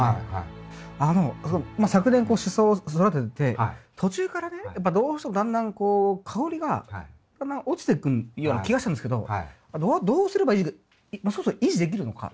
あの昨年こうシソを育ててて途中からねやっぱどうしてもだんだんこう香りがだんだん落ちていくような気がしたんですけどどうすれば維持がそもそも維持できるのか。